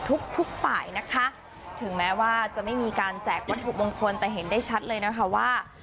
ทุกทุกฝ่ายนะคะถึงแม้ว่าจะไม่มีการแจกวัตถุมงคลแต่เห็นได้ชัดเลยนะคะว่า